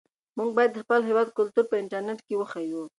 موږ باید د خپل هېواد کلتور په انټرنيټ کې وښیو.